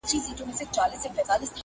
جانان مي مه رسوا کوه ماته راځینه.!